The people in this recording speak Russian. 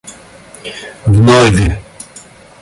вновь